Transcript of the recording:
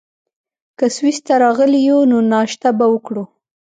که سویس ته راغلي یو، نو ناشته به وکړو.